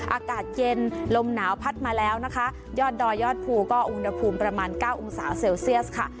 อากาศเย็นลมหนาวพัดมาแล้วนะคะยอดดอยยอดภูก็อุณหภูมิประมาณเก้าองศาเซลเซียสค่ะ